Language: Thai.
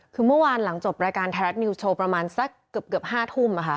คือเมื่อวานหลังจบรายการไทยรัฐนิวส์โชว์ประมาณสักเกือบ๕ทุ่ม